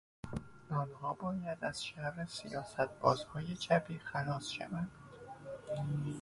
آنها باید از شر آن سیاستبازهای چپی خلاص شوند.